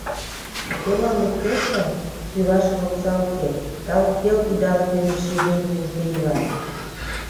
А кӧлан лектеш гын, тӱлашыже окса уке, калык пел идалык дене шийвундым ужде ила.